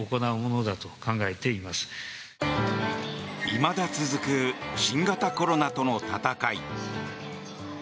いまだ続く新型コロナとの闘い。